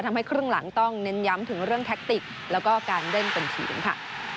ทำให้ครึ่งหลังต้องเน้นย้ำถึงเรื่องแท็กติกแล้วก็การเล่นเป็นทีมค่ะ